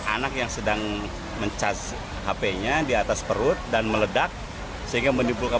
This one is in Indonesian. anak yang sedang mencari hpnya di atas perut dan meledak sehingga menimbulkan